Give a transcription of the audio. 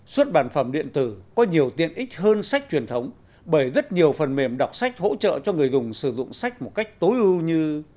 xuất bản phẩm điện tử có nhiều tiện ích hơn sách truyền thống bởi rất nhiều phần mềm đọc sách hỗ trợ cho người dùng sử dụng sách một cách tối ưu như